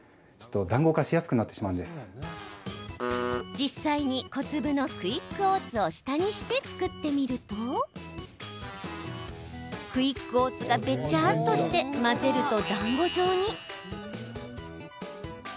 実際に小粒のクイックオーツを下にして作ってみるとクイックオーツがべちゃっとして混ぜるとだんご状に。